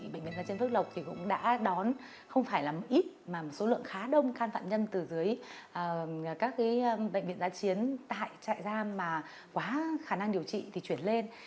với các y bác sĩ phố dân sự vốn đã đón không phải là một ít mà một số lượng khá đông can phạm nhân từ dưới các bệnh viện giá chiến tại trại giam mà quá khả năng điều trị thì chuyển lên